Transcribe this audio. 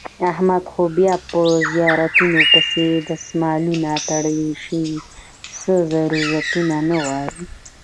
احمد خو بیا په زیارتونو پسې دسمالونه تړي چې څه ضرورتو نه غواړي.